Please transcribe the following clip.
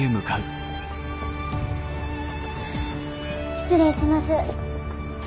失礼します。